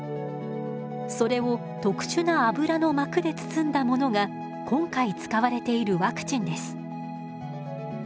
それを特殊な油の膜で包んだものが今回使われているワクチンです。